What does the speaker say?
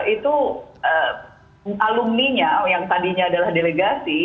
itu alumninya yang tadinya adalah delegasi